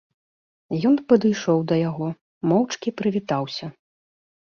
Ён падышоў да яго, моўчкі прывітаўся.